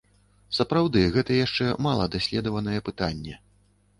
Сапраўды, гэта яшчэ мала даследаванае пытанне.